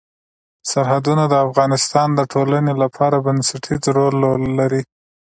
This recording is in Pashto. سرحدونه د افغانستان د ټولنې لپاره بنسټيز رول لري.